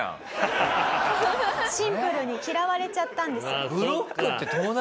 シンプルに嫌われちゃったんです。